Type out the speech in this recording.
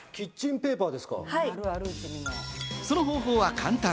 その方法は簡単。